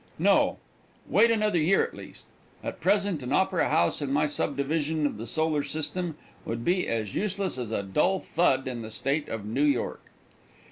No. Wait another year at least. At present an opera house in my subdivision of the solar system would be as useless as a Dull Thud in the state of New York.